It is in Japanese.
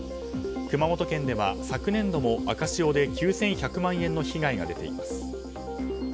熊本県では昨年度も赤潮で９１００万円の被害が出ています。